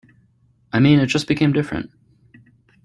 I mean, it just became different.